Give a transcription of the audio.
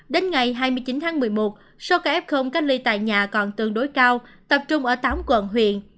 đến ngày hai mươi chín tháng một mươi một số ca f cách ly tại nhà còn tương đối cao tập trung ở tám quận huyện